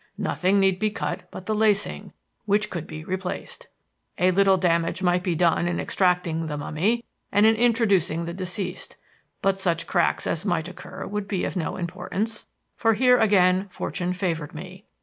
Nothing need be cut but the lacing, which could be replaced. A little damage might be done in extracting the mummy and in introducing the deceased; but such cracks as might occur would be of no importance. For here again Fortune favored me.